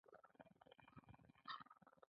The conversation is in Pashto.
ایا زه پیسې راوړم؟